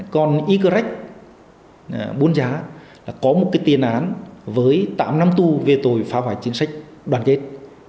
còn ygrec buôn giá có một tiền án với tám năm tu về tội phá hoại chính sách đoàn chết